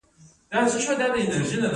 د پروسټیټ هایپرپلاسیا نارینه ډېروي.